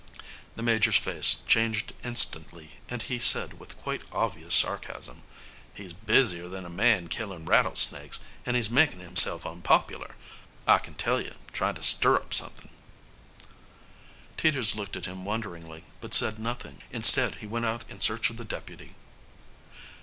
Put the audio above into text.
The Major's face changed instantly and he said with quite obvious sarcasm: "He's busier than a man killin' rattlesnakes, and he's makin' himself unpopular, I can tell you, tryin' to stir up somethin'." Teeters looked at him wonderingly but said nothing; instead, he went out in search of the deputy.